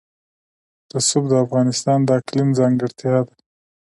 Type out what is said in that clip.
رسوب د افغانستان د اقلیم ځانګړتیا ده.